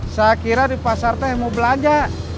saya kira di pasar itu yang mau belanja